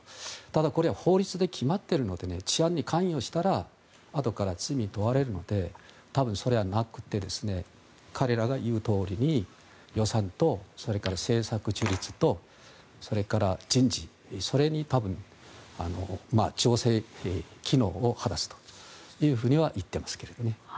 ただ、法律で決まっているので治安に関与したらあとから罪に問われるので多分、それはなくて彼らが言うとおりに予算と政策自立とそれから人事に多分、調整機能を果たすというふうには言っていますけれどね。